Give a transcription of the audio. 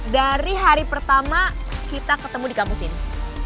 dari hari pertama kita ketemu di kampus ini